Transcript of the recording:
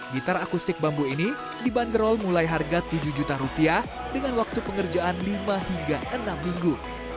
gitar akustik bambu ini dibanderol mulai harga tujuh juta rupiah dengan waktu pengerjaan lima hingga enam minggu